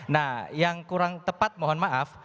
nah yang kurang tepat mohon maaf